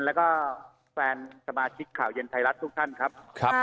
แล้วก็แฟนสมาชิกข่าวเย็นไทยรัฐทุกท่านครับ